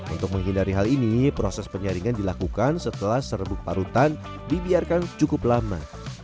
untuk menghindari hal ini proses penyaringan dilakukan setelah serbuk parutan dibiarkan cukup lama